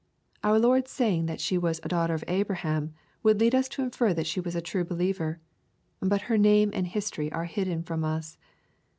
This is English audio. Our Lord's say ing that she was " a daughter of Abraham," would lead us to infer that she was a true believer. But her name and history are hidden from us.